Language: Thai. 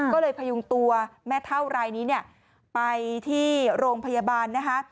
ก็เลยพยุงตัวแม่เท่ารายนี้เนี่ยไปที่โรงพยาบาลนะคะ